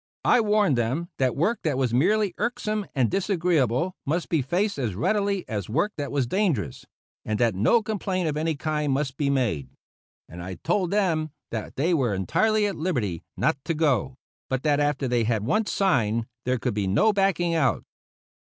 I warned them that work that was merely irksome and disagreeable must be faced as readily as work that was dangerous, and that no complaint of any kind must be made; and I told them that they were entirely at liberty not to go, but that after they had once signed there could then be no backing out.